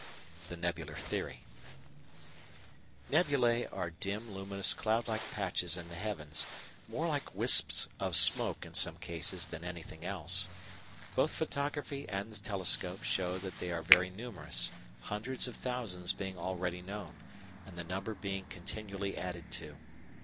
THE NEBULAR THEORY § 2 Nebulæ are dim luminous cloud like patches in the heavens, more like wisps of smoke in some cases than anything else. Both photography and the telescope show that they are very numerous, hundreds of thousands being already known and the number being continually added to.